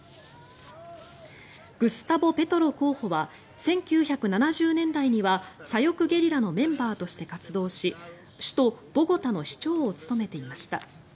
グスタボ・ペトロ候補は１９７０年代には左翼ゲリラのメンバーとして活動し首都ボゴタの市長を務めていました。